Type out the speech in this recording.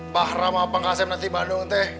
bahra sama pak kasem nanti bandung teh